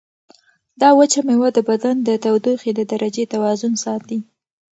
دا وچه مېوه د بدن د تودوخې د درجې توازن ساتي.